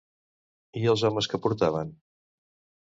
I els homes que portaven?